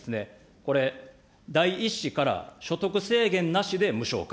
これ、第１子から所得制限なしで無償化。